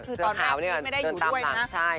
คือตอนหน้ากิ๊ดไม่ได้อยู่ด้วยนะ